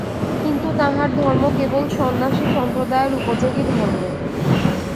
কিন্তু তাঁহার ধর্ম কেবল সন্ন্যাসি-সম্প্রদায়ের উপযোগী ধর্ম।